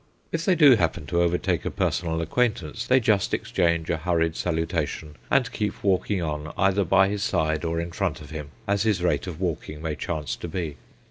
If they do happen to overtake a personal acquaintance, they just exchange a hurried salutation, and keep walking on, either by his side, or in front of him, as his rate of walking may chance to be.